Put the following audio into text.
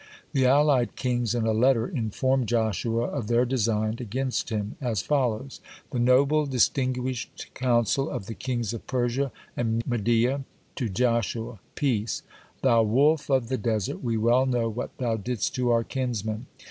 The allied kings in a letter informed Joshua of their design against him as follow: "The noble, distinguished council of the kings of Persia and Media to Joshua, peace! Thou wolf of the desert, we well know what thou didst to our kinsmen.